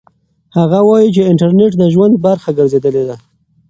هغه وایي چې انټرنيټ د ژوند برخه ګرځېدلې ده.